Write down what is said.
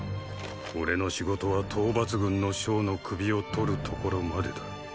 俺の仕事は討伐軍の将の首を取るところまでだ。